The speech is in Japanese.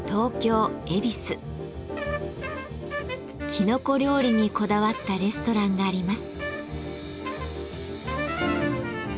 きのこ料理にこだわったレストランがあります。